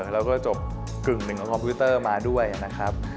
แล้วก็จบกึ่งหนึ่งของคอมพิวเตอร์มาด้วยนะครับ